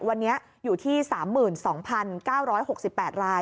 วันนี้อยู่ที่๓๒๙๖๘ราย